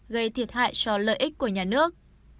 gây thiệt hại cho lợi ích của nhà nước